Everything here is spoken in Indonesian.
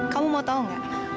kamu mau tau gak